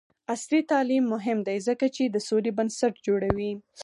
عصري تعلیم مهم دی ځکه چې د سولې بنسټ جوړوي.